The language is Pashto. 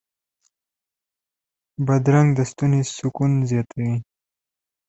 بادرنګ د ستوني سکون زیاتوي.